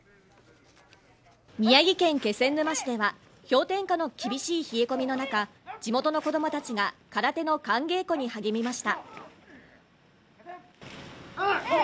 宮城県気仙沼市では氷点下の厳しい冷え込みの中、地元の子供たちが空手の寒稽古に励みました。